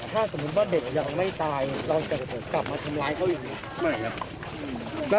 ถ้าสมมติว่าเด็กยังไม่ตายเราก็กลับมาทำร้ายเขาอยู่นี่